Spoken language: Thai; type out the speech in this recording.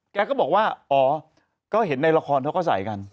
แกก็บอกว่าอ๋อก็เห็นในละครเขาก็ใส่กัน